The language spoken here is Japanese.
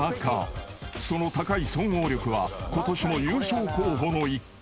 ［その高い総合力はことしも優勝候補の一角］